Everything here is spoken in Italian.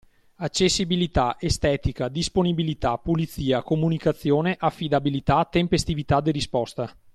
Accessibilità, estetica, disponibilità, pulizia, comunicazione, affidabilità, tempestività di risposta.